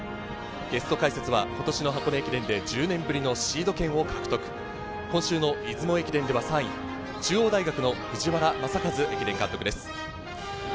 ゲスト解説は今年の箱根駅伝で１０年ぶりのシード権を獲得、今週の出雲駅伝では３位、中央大学の藤原正和駅伝監督です。